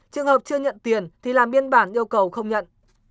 trường hợp chưa nhận tiền thì làm biên bản yêu cầu không nhận